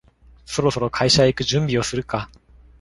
そろそろ会社へ行く準備をするか